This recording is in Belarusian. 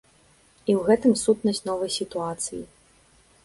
І ў гэтым сутнасць новай сітуацыі.